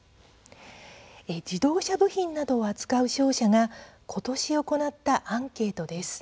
自動車部品などを扱う商社が今年、行ったアンケートです。